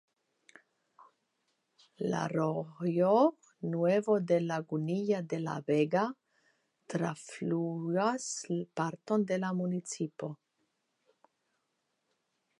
La rojo "Nuevo de Lagunilla de la Vega" trafluas parton de la municipo.